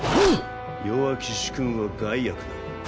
弱き主君は害悪なり。